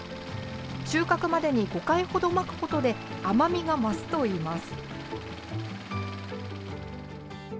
収穫までに５回ほどまくことで甘みが増すといいます。